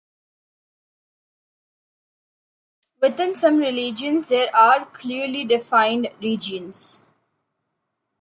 Within some religions there are clearly defined regions.